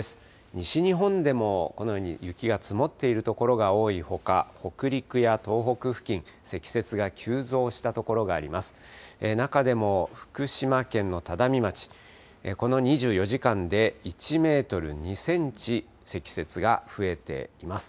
西日本でもこのように雪が積もっている所が多いほか、北陸や東北付近、積雪が急増した所があります。